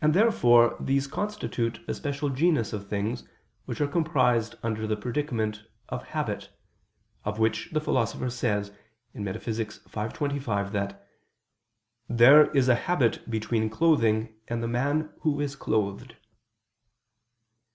And therefore these constitute a special genus of things, which are comprised under the predicament of "habit": of which the Philosopher says (Metaph. v, text. 25) that "there is a habit between clothing and the man who is clothed."